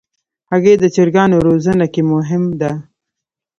هګۍ د چرګانو روزنه کې مهم ده.